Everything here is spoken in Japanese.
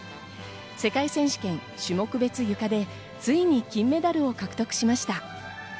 世界選手権種目別ゆかでついに金メダルを獲得しました。